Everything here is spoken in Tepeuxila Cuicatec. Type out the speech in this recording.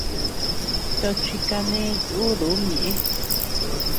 Tochi kane yuudum ñeʼe.